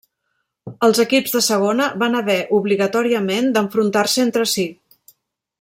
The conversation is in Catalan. Els equips de Segona van haver, obligatòriament, d'enfrontar-se entre si.